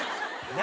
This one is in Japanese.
何？